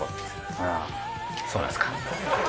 ああそうなんですか。